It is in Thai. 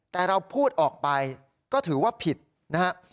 แต่เราพูดออกไปก็ถือว่าผิดนะครับ